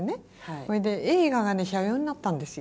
それで映画が斜陽になったんですよ。